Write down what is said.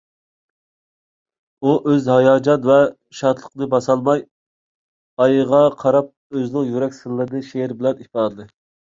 ئۇ ئۆز ھاياجان ۋە شادلىقىنى باسالماي، ئايغا قاراپ ئۆزىنىڭ يۈرەك سىرلىرىنى شېئىر بىلەن ئىپادىلىدى.